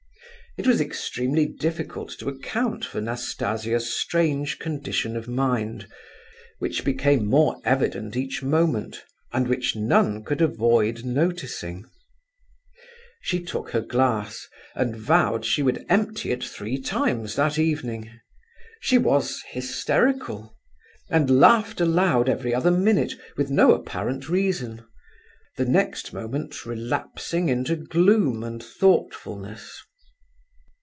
It was extremely difficult to account for Nastasia's strange condition of mind, which became more evident each moment, and which none could avoid noticing. She took her glass, and vowed she would empty it three times that evening. She was hysterical, and laughed aloud every other minute with no apparent reason—the next moment relapsing into gloom and thoughtfulness.